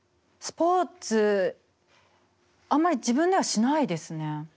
スポーツあんまり自分ではしないですね。